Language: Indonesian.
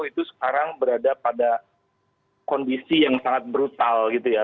itu sekarang berada pada kondisi yang sangat brutal gitu ya